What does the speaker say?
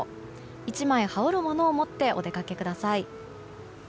１枚羽織るものを持ってお出かけください。